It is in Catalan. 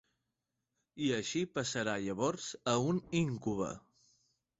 I així passarà llavors a un íncube.